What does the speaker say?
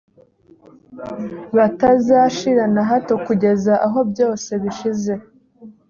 batazashira na hato kugeza aho byose bishize